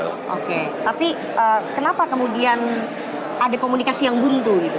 oke tapi kenapa kemudian ada komunikasi yang buntu gitu